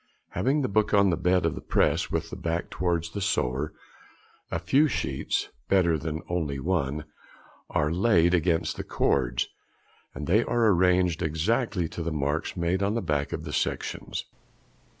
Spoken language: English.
Having the book on the bed of the press with the back towards the sewer, a few sheets (better than only one) are laid against the cords, and they are arranged exactly to the marks made on the back of the sections.